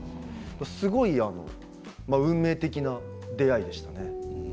すごい運命的な出会いでしたね。